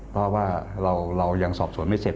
เพราะว่าเรายังสอบสวนไม่เสร็จ